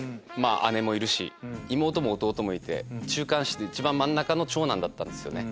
姉もいるし妹も弟もいて中間子で真ん中の長男だったんですよね。